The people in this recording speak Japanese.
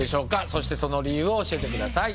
そしてその理由を教えてください